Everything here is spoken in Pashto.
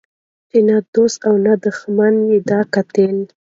چي نه دو ست او نه دښمن یې دی کتلی